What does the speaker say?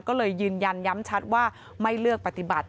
ก็เลยยืนยันย้ำชัดว่าไม่เลือกปฏิบัติ